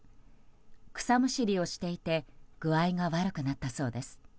草むしりをしていて具合が悪くなったそうです。